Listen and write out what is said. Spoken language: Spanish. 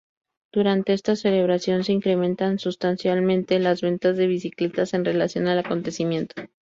Durante esta celebración se incrementan sustancialmente las ventas de bicicletas en relación al acontecimiento.